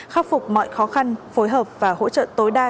khắc phục mọi khó khăn phối hợp và hỗ trợ tối đa